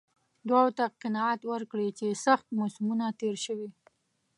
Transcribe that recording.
دواړو ته قناعت ورکړي چې سخت موسمونه تېر شوي.